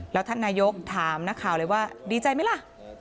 แล้วท่านนายกถามนักข่าวเลยว่าดีใจไหมล่ะ